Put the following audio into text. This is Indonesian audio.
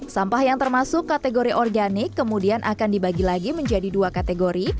sampah yang termasuk kategori organik kemudian akan dibagi lagi menjadi dua kategori